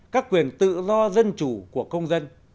các quyền tự do dân chủ của công dân